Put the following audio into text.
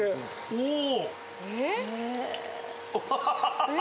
・おお。